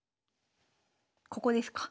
ここですか。